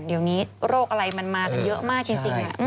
เดี๋ยวนี้โรคอะไรมันมากันเยอะมากจริง